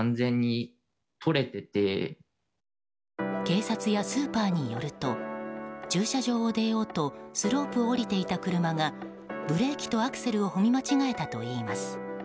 警察やスーパーによると駐車場を出ようとスロープを下りていた車がブレーキとアクセルを踏み間違えたといいます。